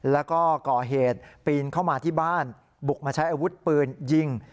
แล้วก็ก่อเหตุปีนเข้ามาที่บ้านบุกมาใช้อาวุธปืนยิง